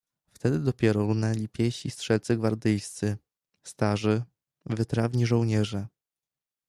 "Wtedy dopiero runęli piesi strzelcy gwardyjscy, starzy, wytrawni żołnierze."